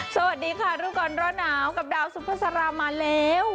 สวัสดีค่ะรู้ก่อนร้อนหนาวกับดาวซุภาษารามาแล้ว